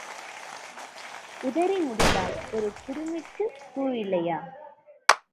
உதறி முடிந்தால் ஒரு குடுமிக்குப் பூ இல்லையா?